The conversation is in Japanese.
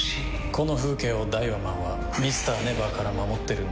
この風景をダイワマンはＭｒ．ＮＥＶＥＲから守ってるんだ。